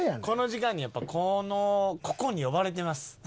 この時間にやっぱこのここに呼ばれてます。